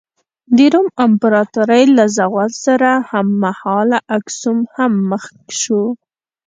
د روم امپراتورۍ له زوال سره هممهاله اکسوم هم مخ شو.